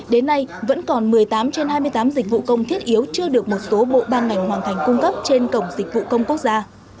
đến nay vẫn còn một mươi tám trên hai mươi tám dịch vụ công thiết yếu chưa được một số bộ ban ngành hoàn thành cung cấp trên cổng dịch vụ công quốc gia